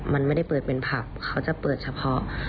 มันไม่ได้เปิดเป็นผับเขาจะเปิดเฉพาะ